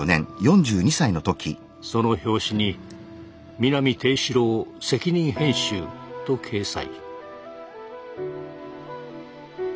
その表紙に「南定四郎責任編集」と掲載。